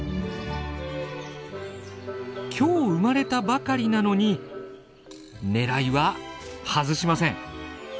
今日生まれたばかりなのに狙いは外しません。